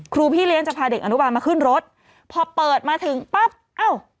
พี่เลี้ยงจะพาเด็กอนุบาลมาขึ้นรถพอเปิดมาถึงปั๊บเอ้า